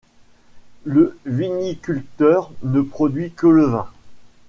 Le viniculteur ne produit que le vin.